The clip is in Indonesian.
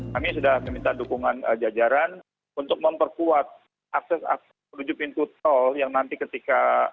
kami sudah meminta dukungan jajaran untuk memperkuat akses akses menuju pintu tol yang nanti ketika